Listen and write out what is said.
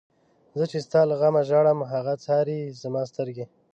زه چی ستا له غمه ژاړم، هغه څاری زما سترگی